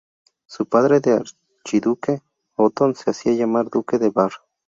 Su padre, el archiduque Othon, se hacia llamar duque de Bar.